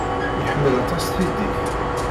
Iḥemmel aṭas tiddit.